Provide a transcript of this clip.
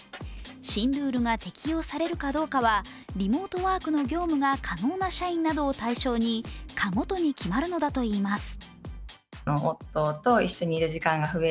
新ルールが適用されるかどうかはリモートワークの業務が可能な社員などを対象に課ごとに決まるのだといいます。